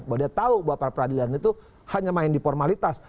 bahwa dia tahu bahwa para peradilan itu hanya main di formalitas